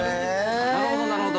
なるほど、なるほど。